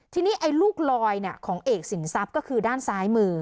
ทีนี้ไอ้ลูกลอยของเอกสินทรัพย์ก็คือด้านซ้ายมือ